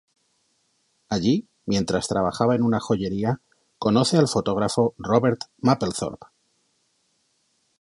Allí, mientras trabajaba en una joyería conoce al fotógrafo Robert Mapplethorpe.